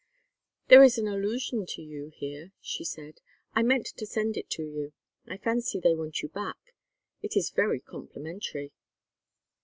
"There is an allusion to you here," she said. "I meant to send it to you. I fancy they want you back. It is very complimentary."